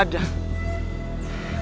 tidak ada tanda tanda